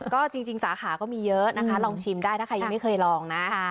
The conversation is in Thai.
ก็จริงสาขาก็มีเยอะนะคะลองชิมได้ถ้าใครยังไม่เคยลองนะ